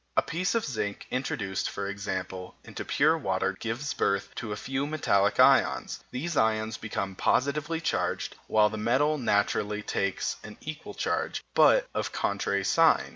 A piece of zinc introduced, for example, into pure water gives birth to a few metallic ions. These ions become positively charged, while the metal naturally takes an equal charge, but of contrary sign.